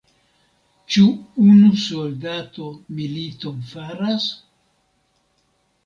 Ĉu unu soldato militon faras?